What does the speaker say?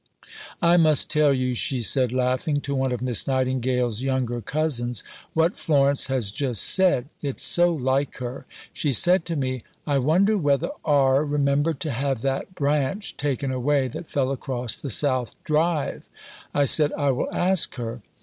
"I must tell you," she said, laughing, to one of Miss Nightingale's younger cousins, "what Florence has just said; it's so like her. She said to me, 'I wonder whether R. remembered to have that branch taken away that fell across the south drive.' I said, 'I will ask her.'